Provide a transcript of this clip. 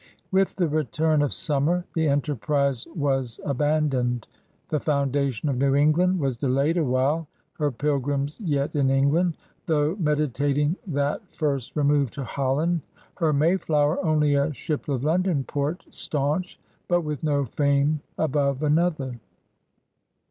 With the return of summer the enterprise was abandoned. The foundation of New England was delayed awhile, her Pilgrims yet in England, though meditating that first remove to Holland, her Mayflower only a ship of London port, staunch, but with no fame above another.